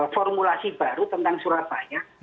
formulasi baru tentang surat bahaya